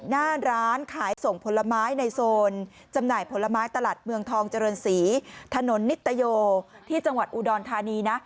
หน้าร้านขายส่งผลไม้ในโซนจำหน่ายผลไม้ตลาดเมืองทองเจริญศรีถนนนิตโยที่จังหวัดอุดรธานีนะ